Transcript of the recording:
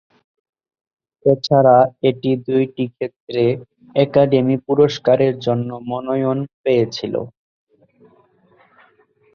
এছাড়া এটি দুইটি ক্ষেত্রে একাডেমি পুরস্কারের জন্য মনোনয়ন পেয়েছিল।